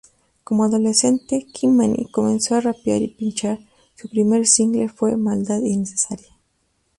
Como adolescente, Ky-Mani comenzó a rapear y pinchar; su primer single fue "maldad innecesaria".